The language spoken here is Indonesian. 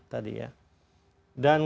tadi ya dan